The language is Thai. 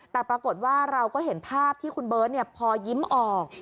แต่ปรากฏว่าเราก็เห็นภาพที่คุณเบิร์ตพอยิ้มออก